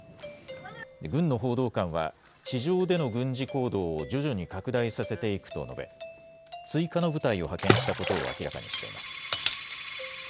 軍の報道官は地上での軍事行動を徐々に拡大させていくと述べ追加の部隊を派遣したことを明らかにしています。